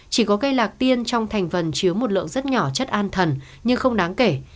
chỉ có cây lạc tiên trong thành phần chứa một lượng rất nhỏ chất an thần nhưng không đáng kể